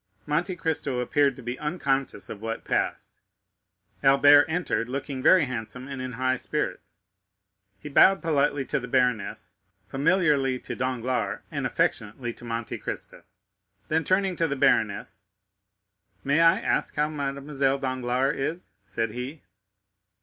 Monte Cristo appeared to be unconscious of what passed. Albert entered, looking very handsome and in high spirits. He bowed politely to the baroness, familiarly to Danglars, and affectionately to Monte Cristo. Then turning to the baroness: "May I ask how Mademoiselle Danglars is?" said he.